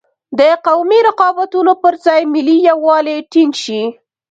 د قومي رقابتونو پر ځای ملي یوالی ټینګ شي.